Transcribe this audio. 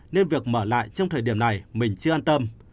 nên việc mở lại trong thời điểm này mình chưa an tâm